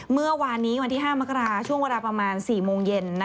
เมื่อวานนี้วันที่๕มกราช่วงเวลาประมาณ๔โมงเย็น